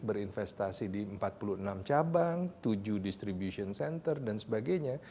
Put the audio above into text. berinvestasi di empat puluh enam cabang tujuh distribution center dan sebagainya